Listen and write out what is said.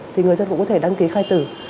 thì người dân cũng có thể đăng ký khai tử